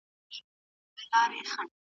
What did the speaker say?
له تجربو څخه زده کړه وکړئ.